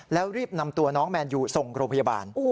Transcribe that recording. แล้วรีบนำตัวน้องแมนยูส่งโรงพยาบาล